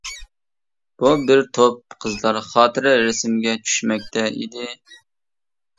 بۇ بىر توپ قىزلار خاتىرە رەسىمگە چۈشمەكتە ئىدى.